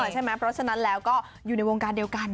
ใช่ไหมเพราะฉะนั้นแล้วก็อยู่ในวงการเดียวกัน